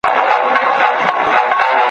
نن مي هغه زیارت په کاڼو ولم ,